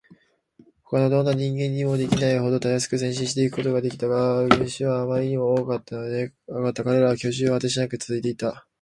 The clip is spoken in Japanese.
ほかのどんな人間にもできないほどたやすく前進していくことができた。だが、群集はあまりにも多かった。彼らの住居は果てしなくつづいていた。